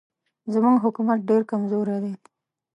زموږ حکومت ډېر کمزوری دی.